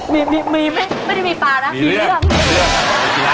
มีมีมีมีไม่ได้มีปลานะ